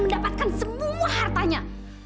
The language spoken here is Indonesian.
mendapatkan semua hartanya